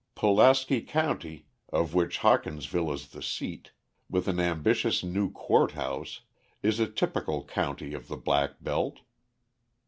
Pulaski County, of which Hawkinsville is the seat, with an ambitious new court house, is a typical county of the black belt.